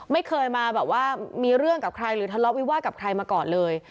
ไม่เคยมาแบบว่ามีเรื่องกับใครหรือทะเลาะวิวาสกับใครมาก่อนเลย